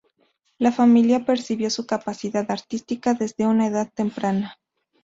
La familia percibió su capacidad artística desde una edad temprana.